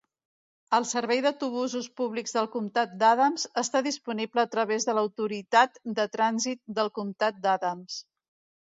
El servei d'autobusos públics del comtat d'Adams està disponible a través de l'Autoritat de Trànsit del comtat d'Adams.